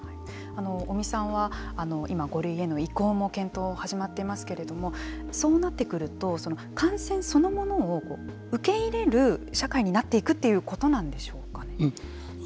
尾身さんは今５類への移行も検討が始まっていますけれどもそうなってくると感染そのものを受け入れる社会になっていくということなんでしょうか。